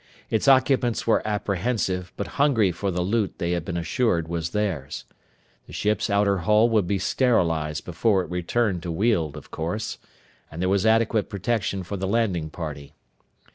Its occupants were apprehensive, but hungry for the loot they had been assured was theirs. The ship's outer hull would be sterilized before it returned to Weald, of course. And there was adequate protection for the landing party.